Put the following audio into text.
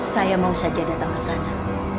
saya mau saja datang ke sana